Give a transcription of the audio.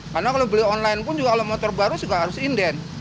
karena kalau beli online pun kalau motor baru juga harus inden